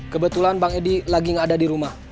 kebetulan bang edi lagi nggak ada di rumah